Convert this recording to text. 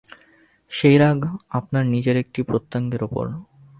সেই রাগ আপনার নিজের একটি প্রত্যঙ্গের ওপর।